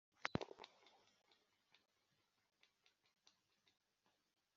arikumwe cyane nabana kumuhanda